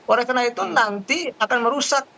oleh karena itu nanti akan merusak